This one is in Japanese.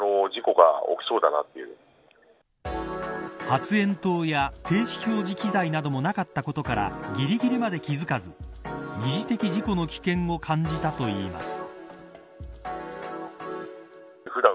発煙筒や停止表示機材などもなかったことからぎりぎりまで気付かず二次的事故の危険を感じたといいます。